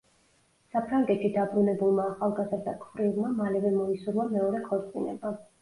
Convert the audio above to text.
საფრანგეთში დაბრუნებულმა ახალგაზრდა ქვრივმა, მალევე მოისურვა მეორე ქორწინება.